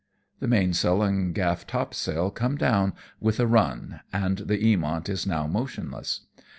The mainsail and gaff topsail come down with a run, and the Eaviont is now motionless.